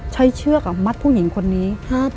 เชือกมัดผู้หญิงคนนี้